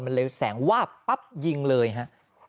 มันเลยแสงวาบปั๊บยิงเลยฮะ